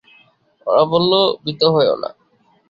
ওরা বলল, ভীত হয়ো না।